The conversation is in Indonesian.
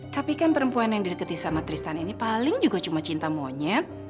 tapi kan perempuan yang didekati sama tristan ini paling juga cuma cinta monyet